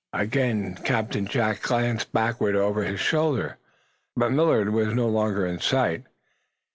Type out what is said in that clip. Again Captain Jack glanced backward over his shoulder, but Millard was no longer in sight.